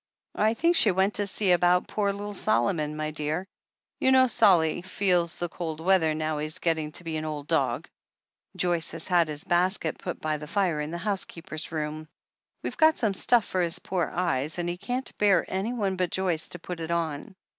"I think she went to see about poor little Solomon, my dear. You know, Solly feels the cold weather now he's getting to be an old dog. Joyce has had his basket put by the fire in the housekeeper's room. We've got some stuff for his poor eyes, and he can't bear anyone but Joyce to put it on.